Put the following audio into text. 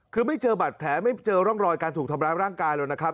คือไม่เจอบัตรแผลไม่เจอร่องรอยการถูกทำร้ายร่างกายหรอกนะครับ